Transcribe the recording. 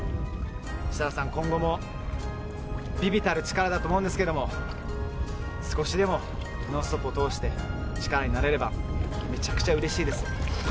設楽さん、今後も微々たる力だと思うんですけども少しでも「ノンストップ！」を通して力になれればめちゃくちゃうれしいです。